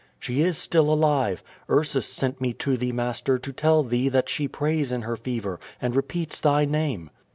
"She is still alive. Ursus sent me to thee, master, to tell thee that she prays in her fever, and repeats thy name."